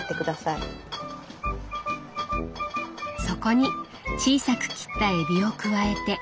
そこに小さく切ったえびを加えて。